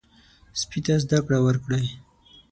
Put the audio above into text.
سپي ته زده کړه ورکړئ.